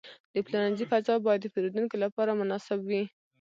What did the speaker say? د پلورنځي فضا باید د پیرودونکو لپاره مناسب وي.